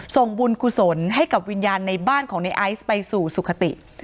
ส่งบุญกุศลให้กับวิญญาณในบ้านของในไอซ์ไปสู่สุขติ